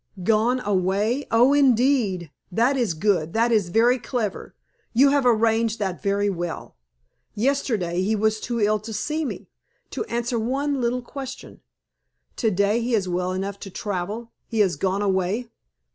"Gone away! Oh, indeed! That is good; that is very clever! You have arranged that very well. Yesterday he was too ill to see me to answer one little question. To day he is well enough to travel he is gone away.